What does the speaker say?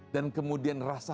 dan kemudian rasakan